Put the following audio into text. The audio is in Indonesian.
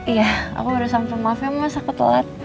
iya aku baru sampe maaf ya masa aku telat